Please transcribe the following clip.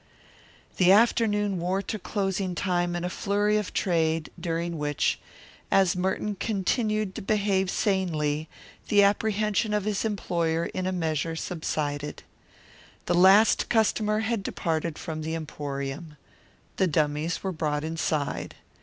The afternoon wore to closing time in a flurry of trade, during which, as Merton continued to behave sanely, the apprehension of his employer in a measure subsided. The last customer had departed from the emporium. The dummies were brought inside.